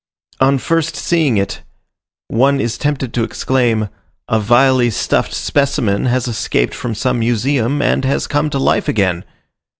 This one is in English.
On first seeing it, one is tempted to exclaim, "A vilely stuffed specimen has escaped from some museum, and has come to life again!"